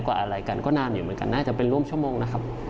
อะไรกันก็นานอยู่เหมือนกันน่าจะเป็นร่วมชั่วโมงนะครับ